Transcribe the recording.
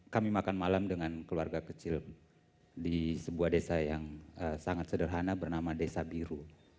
kami makan malam dengan keluarga kecil di sebuah desa yang sangat sederhana bernama desa biru